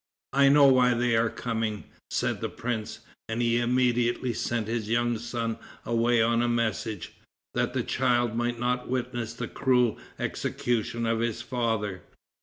"I know why they are coming," said the prince, and he immediately sent his young son away on a message, that the child might not witness the cruel execution of his father.